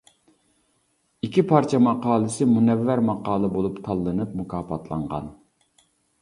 ئىككى پارچە ماقالىسى مۇنەۋۋەر ماقالە بولۇپ تاللىنىپ، مۇكاپاتلانغان.